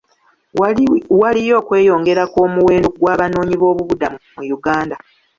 Waliyo okweyongera kw'omuwendo gw'Abanoonyi boobubudamu mu Uganda.